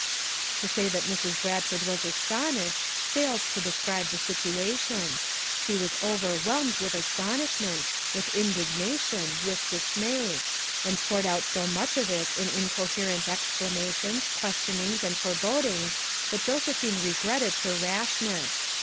To say that Mrs. Bradford was astonished, fails to describe the situation; she was over whelmed with astonishment, with indignation, with dismay, — and poured out so much of it in incoherent exclamations, questionings and forebodings that Josephine regretted her rash ness.